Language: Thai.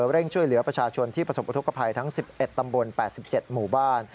เร่งช่วยเหลือประชาชนที่ประสบอุทธกภัยทั้ง๑๑ตำบล๘๗หมู่บ้าน